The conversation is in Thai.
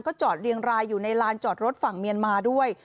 จอดเรียงรายอยู่ในลานจอดรถฝั่งเมียนมาด้วย